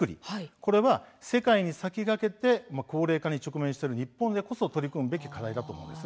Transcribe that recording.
これは世界に先駆けて高齢化に直面している日本でこそ取り組んでいく課題だと思います。